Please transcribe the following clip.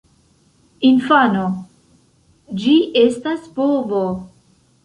Infano: "Ĝi estas bovo!"